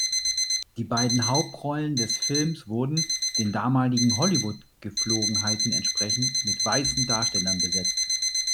Die beiden Hauptrollen des Films wurden, den damaligen Hollywood-Gepflogenheiten entsprechend, mit weißen Darstellern besetzt.